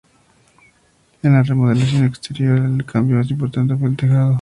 En la remodelación exterior, el cambio más importante fue el tejado.